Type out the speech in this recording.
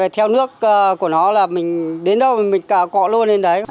theo nước của nó là mình đến đâu mình cà cọ luôn đến đấy